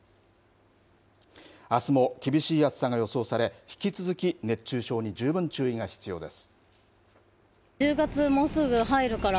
あすも厳しい暑さが予想され引き続き熱中症に十分注意が必要です。